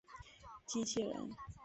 机器人。